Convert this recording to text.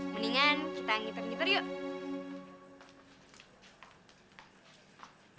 mendingan kita ngitar ngitar yuk